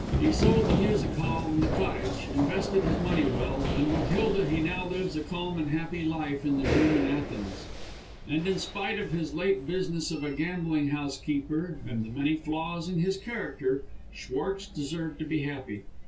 He sold the music hall and the cottage, invested his money well, and with Hilda he now lives a calm and happy life in the German Athens; and in spite of his late business of a gambling house keeper and the many flaws in his character, Schwartz deserved to be happy.